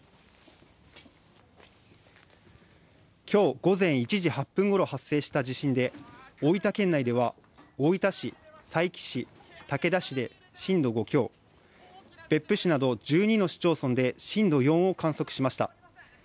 今日午前１時８分頃発生した地震で、大分県内では大分市、佐伯市、竹田市で震度５強、別府市など、１２の市町村で震度４を観測しました。